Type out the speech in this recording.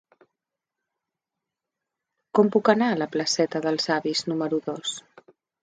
Com puc anar a la placeta dels Avis número dos?